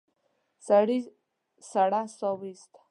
سړي سړه سا ويسته.